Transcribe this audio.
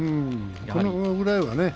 これぐらいはね